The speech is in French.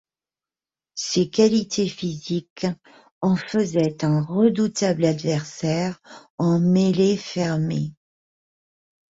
Ses qualités physiques en faisaient un redoutable adversaire en mêlée fermée.